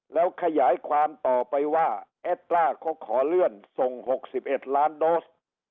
แล้วขยายความต่อไปว่าแอดตราเขาขอเลื่อนส่ง๖๑ล้านโดส